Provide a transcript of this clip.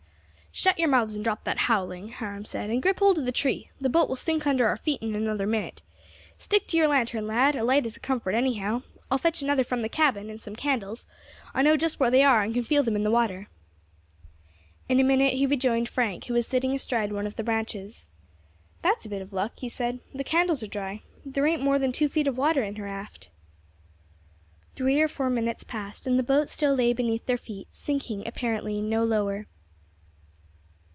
"Shut your mouths and drop that howling," Hiram said, "and grip hold of the tree; the boat will sink under our feet in another minute. Stick to your lantern, lad, a light is a comfort anyhow; I'll fetch another from the cabin, and some candles; I know just where they are, and can feel them in the water." In a minute he rejoined Frank, who was sitting astride of one of the branches. "That's a bit of luck," he said; "the candles are dry. There ain't more than two feet of water in her aft." Three or four minutes passed, and the boat still lay beneath their feet, sinking, apparently, no lower.